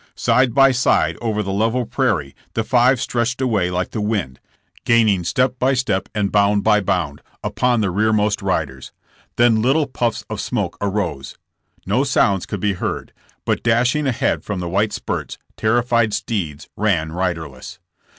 Side by side over the level prairie the five stretched away like the wind, gaining step by step and bound by bound, upon the rearmost riders. Then little puffs of smoke arose. No sounds could be heard, but dashing ahead from the white spurts terrified steeds ran riderless.